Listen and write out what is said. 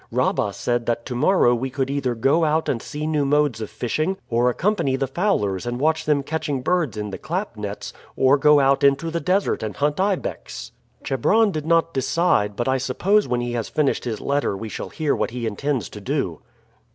Rabah said that to morrow we could either go out and see new modes of fishing, or accompany the fowlers and watch them catching birds in the clap nets, or go out into the desert and hunt ibex. Chebron did not decide, but I suppose when he has finished his letter we shall hear what he intends to do."